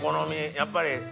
やっぱり。